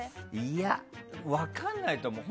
いや、分からないと思う。